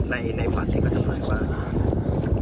ในฝันที่เขาทำอะไรบ้าง